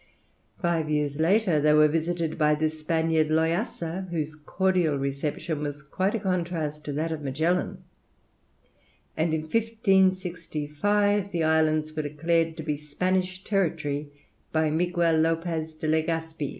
Five years later they were visited by the Spaniard Loyasa, whose cordial reception was quite a contrast to that of Magellan; and in 1565 the islands were declared to be Spanish territory by Miguel Lopez de Legaspi.